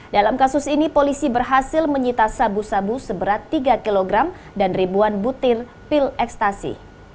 dalam kasus ini polisi berhasil menyita sabu sabu seberat tiga kg dan ribuan butir pil ekstasi